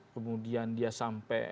kemudian dia sampai